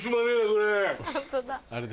これ。